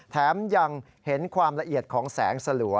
แถมยังเห็นความละเอียดของแสงสลัว